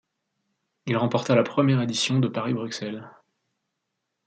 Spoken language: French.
Il remporta la première édition de Paris-Bruxelles.